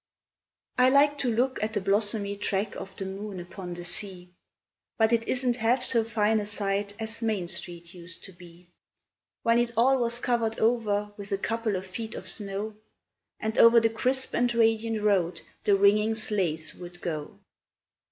I like to look at the blossomy track of the moon upon the sea, But it isn't half so fine a sight as Main Street used to be When it all was covered over with a couple of feet of snow, And over the crisp and radiant road the ringing sleighs would go.